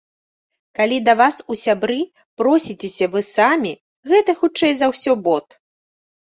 Калі да вас у сябры просіцеся вы самі, гэта хутчэй за ўсё бот.